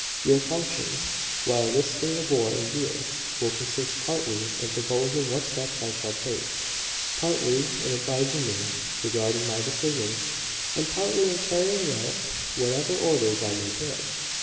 Your functions, while this state of war endures, will consist partly in proposing what steps I shall take, partly, in advising me regarding my decisions, and partly in carrying out whatever orders I may give."